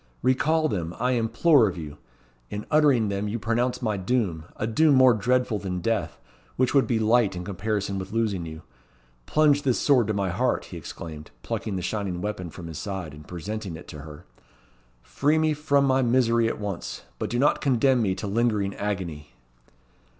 "Recall them, I implore' of you. In uttering them you pronounce my doom a doom more dreadful than death, which would be light in comparison with losing you. Plunge this sword to my heart," he exclaimed, plucking the shining weapon from his side, and presenting it to her. "Free me from my misery at once, but do not condemn me to lingering agony."